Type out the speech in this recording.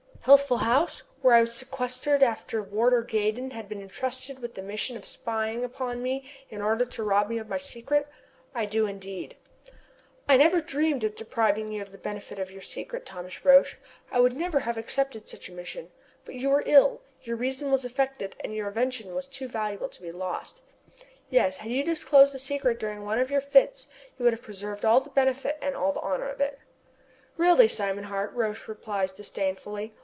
"Healthful House, where I was sequestrated after Warder Gaydon had been entrusted with the mission of spying upon me in order to rob me of my secret? I do, indeed." "I never dreamed of depriving you of the benefit of your secret, Thomas Roch. I would never have accepted such a mission. But you were ill, your reason was affected, and your invention was too valuable to be lost. Yes, had you disclosed the secret during one of your fits you would have preserved all the benefit and all the honor of it." "Really, Simon Hart!" Roch replies disdainfully.